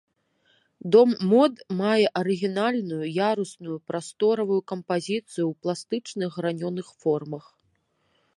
Дом мод мае арыгінальную ярусную прасторавую кампазіцыю ў пластычных гранёных формах.